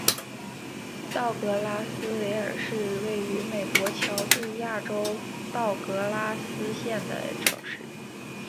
道格拉斯维尔是一个位于美国乔治亚州道格拉斯县的城市。